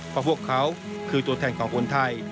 เพราะพวกเขาคือตัวแทนของคนไทย